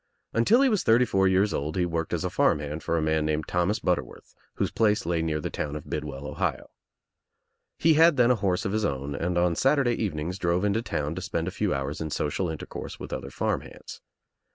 Until he thirty four years old he worked as a farm hand for a man named Thomas Butterworth whose place lay near the town of Bidwell, Ohio. He had then a horse of his own and on Saturday evenings drove into town to spend a few hours in social intercourse with other farm hands.